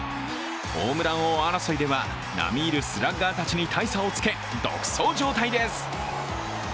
ホームラン王争いでは並み居るスラッガーたちに大差をつけ、独走状態です。